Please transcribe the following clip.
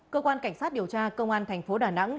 cơ quan cảnh sát điều tra công an tp đà nẵng